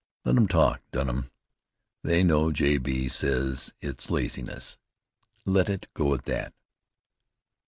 "Let 'em talk, Dunham. They know. J. B. says it's laziness. Let it go at that.